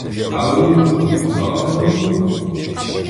— А-у-у-у! А-а-у-у-у!